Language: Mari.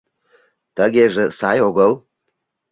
Тыгеже сай огыл.